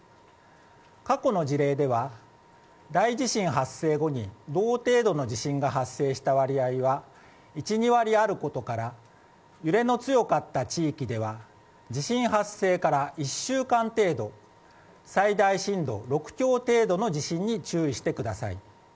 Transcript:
過去の事例では、大地震発生後に同程度の地震が発生した割合は１２割あることから揺れの強かった地域では地震発生から１週間程度最大震度６強程度の地震に注意してください。